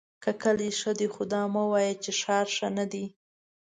که کلی ښۀ دی خو دا مه وایه چې ښار ښۀ ندی!